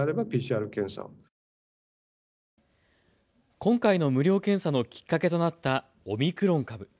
今回の無料検査のきっかけとなったオミクロン株。